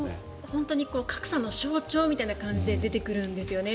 本当に格差の象徴みたいな感じで出てくるんですよね。